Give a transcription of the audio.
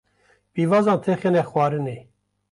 pîvazan têxine xwarinê